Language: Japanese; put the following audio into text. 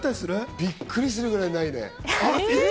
びっくりするぐらいないね。